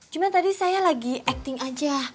cuma tadi saya lagi acting aja